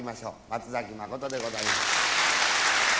松崎真でございます。